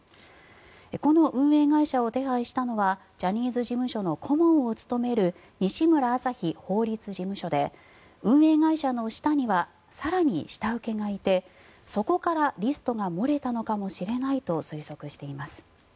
この運営会社を手配したのはジャニーズ事務所の顧問を務める西村あさひ法律事務所で運営会社の下には更に下請けがいてそこからリストが漏れたのかもしれないと推測しています。